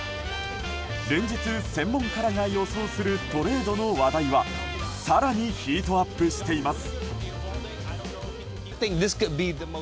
連日、専門家らが予想するトレードの話題は更にヒートアップしています。